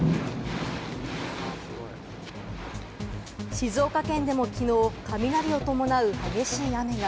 静岡県でもきのう、雷を伴う激しい雨が。